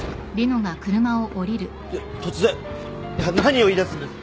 いや突然何を言いだすんです？